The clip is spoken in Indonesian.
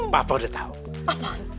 papa udah tau apa